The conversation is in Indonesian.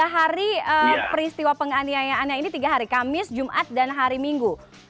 tiga hari peristiwa penganiayaannya ini tiga hari kamis jumat dan hari minggu